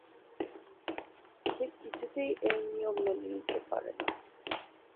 সে কিছুতেই এই নিয়ম মেনে নিতে পারেনা।